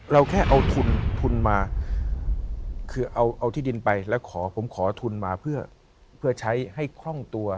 เราแค่เอาทุนทุนมาคือเอาที่ดินไปแล้วขอผมขอทุนมาเพื่อใช้ให้คล่องตัว